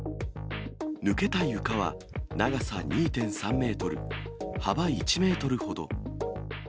抜けた床は、長さ２．３メートル、幅１メートルほど。